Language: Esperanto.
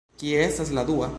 Kie estas la dua?